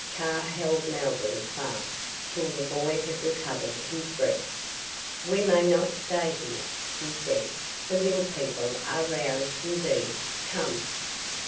Kaa held Mowgli fast till the boy had recovered his breath. "We may not stay here," he said. "The Little People are roused indeed. Come!"